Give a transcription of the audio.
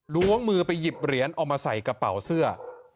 ล้วงมือไปหยิบเหรียญเอามาใส่กระเป๋าเสื้อ